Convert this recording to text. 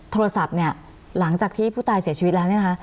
โทรศัพท์เนี่ยหลังจากที่ผู้ตายเสียชีวิตแล้วเนี่ยนะคะ